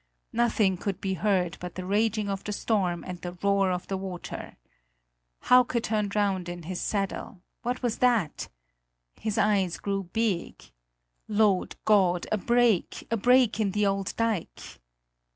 Nothing could be heard but the raging of the storm and the roar of the water. Hauke turned round in his saddle: what was that? His eyes grew big: "Lord God! A break! A break in the old dike!"